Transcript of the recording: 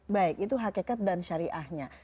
baik itu hakikat dan syariahnya